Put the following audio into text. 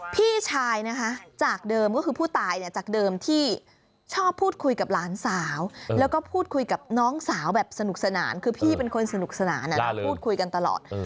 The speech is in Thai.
พี่ชายนะคะจากเดิมก็คือผู้ตายเนี่ยจากเดิมที่ชอบพูดคุยกับหลานสาวแล้วก็พูดคุยกับน้องสาวแบบสนุกสนานคือพี่เป็นคนสนุกสนานพูดคุยกันตลอด